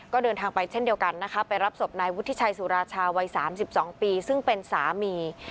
ก็เดินทางไปเช่นเดียวกันนะคะไปรับศพนายวุฒิชัยสุราชาวัย๓๒ปีซึ่งเป็นสามี